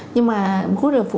nhưng mà gút là phụ nữ